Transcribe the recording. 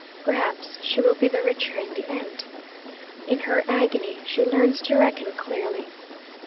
Perhaps she will be the richer in the end. In her agony she learns to reckon clearly.